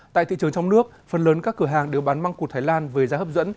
tại thị trường trong nước phần lớn các cửa hàng đều bán măng cụt thái lan với giá hấp dẫn